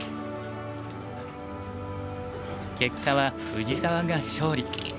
結果は藤沢が勝利。